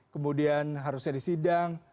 kemudian harusnya disidang